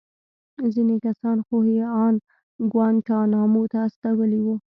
ځينې کسان خو يې ان گوانټانامو ته استولي وو.